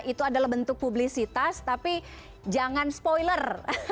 itu adalah bentuk publisitas tapi jangan spoiler